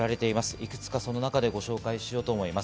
いくつかその中でご紹介しようと思います。